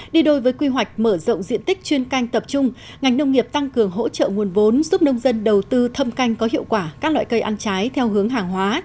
đi đôi với quy hoạch mở rộng diện tích chuyên canh tập trung ngành nông nghiệp tăng cường hỗ trợ nguồn vốn giúp nông dân đầu tư thâm canh có hiệu quả các loại cây ăn trái theo hướng hàng hóa